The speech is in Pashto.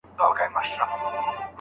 حقوق الله په ايمان پوري اړه لري.